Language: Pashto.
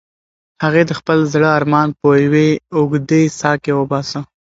هغې د خپل زړه ارمان په یوې اوږدې ساه کې وباسه.